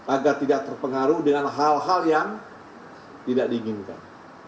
agar tidak terpengaruh dengan hal hal yang tidak diinginkan